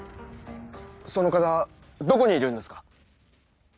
その方どこにいるんですか？